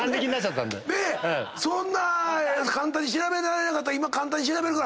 そんな簡単に調べられなかった。